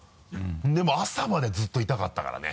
でもう朝までずっと痛かったからね。